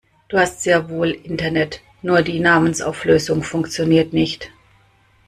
Du hast sehr wohl Internet, nur die Namensauflösung funktioniert nicht.